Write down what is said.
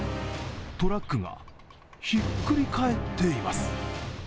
トラックがひっくり返っています。